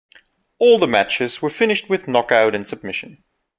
All the matches were finished with knockout and submission.